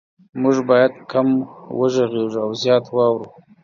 مونږ باید کم وغږیږو او زیات واورو